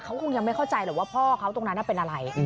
เขาคงยังไม่เข้าใจหรอกว่าพ่อเขาตรงนั้นเป็นอะไร